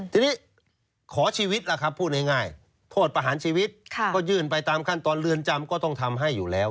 ทีนี้ขอชีวิตล่ะครับพูดง่ายโทษประหารชีวิตก็ยื่นไปตามขั้นตอนเรือนจำก็ต้องทำให้อยู่แล้ว